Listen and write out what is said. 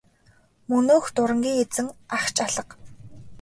Мөнөөх дурангийн эзэн ах ч алга.